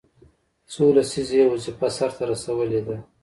څو لسیزې یې وظیفه سرته رسولې ده.